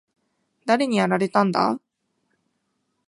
誰にやられたんだ？